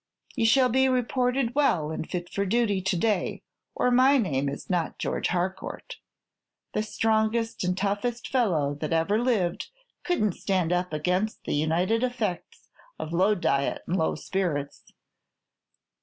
"You shall be reported well, and fit for duty to day, or my name is not George Harcourt. The strongest and toughest fellow that ever lived could n't stand up against the united effects of low diet and low spirits.